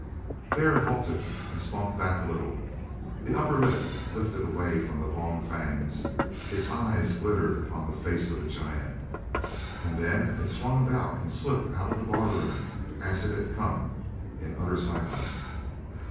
There it halted and slunk back a little, the upper lip lifted away from the long fangs, its eyes glittered upon the face of the giant, and then it swung about and slipped out of the barroom as it had come, in utter silence.